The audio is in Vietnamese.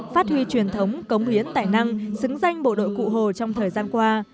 phát huy truyền thống cống hiến tài năng xứng danh bộ đội cụ hồ trong thời gian qua